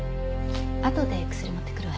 後で薬持ってくるわね。